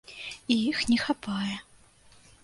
І іх не хапае.